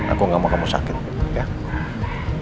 aku gak mau kamu suruh gue jalan jalan ya ya